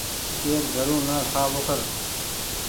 ڪير گھرون نا کآ ٻوکر